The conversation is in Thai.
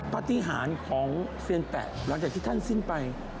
ปฏิหารของเซียนแปะหลังจากที่ท่านสิ้นไป